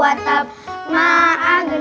amat syada abillah biwatab